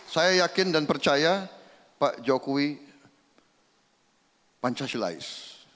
saya yakin dan percaya pak jokowi pancasilaes